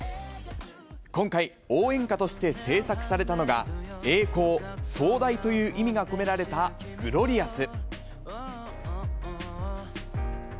今回、応援歌として制作されたのが、栄光、壮大という意味が込められたグロリアス。